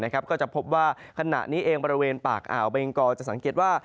ก็จะพบว่าขณะนี้เองบริเวณปากอ่าวเบงกอจะสังเกตว่า